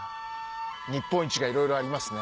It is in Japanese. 日本一がいろいろありますね。